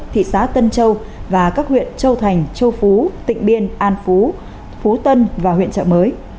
thị xã tân châu và các huyện châu thành châu phú tỉnh biên an phú phú tân và huyện trợ mới